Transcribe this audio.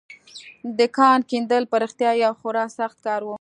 د کان کیندل په رښتيا يو خورا سخت کار و.